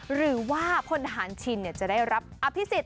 หรือว่าพลฐานชินจะได้รับอภิษฎ